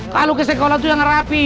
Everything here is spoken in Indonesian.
kalau ke sekolah itu yang rapi